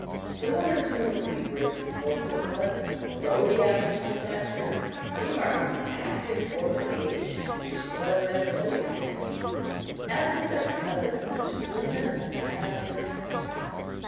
The woman to whom these words were spoken was below the average in stature, remarkably active for her age (she was then fully sixty), and possessed of as much goodness as intelligence.